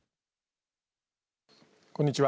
こんにちは。